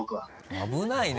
危ないね。